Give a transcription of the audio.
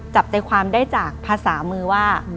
จับใจความได้จากภาษามือว่า